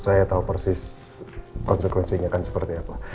saya tahu persis konsekuensinya akan seperti apa